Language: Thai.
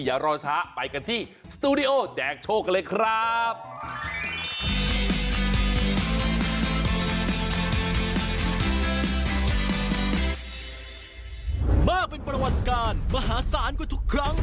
มากเป็นประวัติการมหาศาลกว่าทุกครั้ง